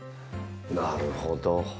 なるほど。